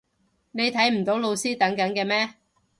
你睇唔到老師等緊嘅咩？